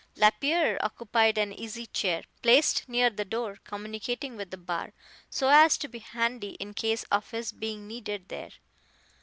Lapierre occupied an easy chair, placed near the door communicating with the bar, so as to be handy in case of his being needed there.